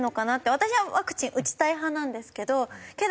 私はワクチン打ちたい派なんですけどけど